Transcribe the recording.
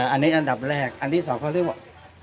อันนี้อันดับแรกอันที่สองเขาเรียกว่า